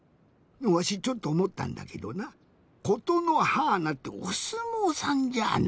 わしちょっとおもったんだけどな「ことのはーな」っておすもうさんじゃあない？